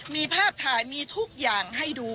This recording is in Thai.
มีภาพถ่ายมีทุกอย่างให้ดู